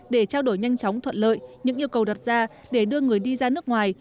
để trao đổi nhanh chóng thuận lợi những yêu cầu đặt ra để đưa người đi ra nước ngoài